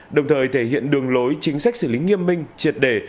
đồng thời thể hiện đường lối chính sách xử lý nghiêm minh triệt đề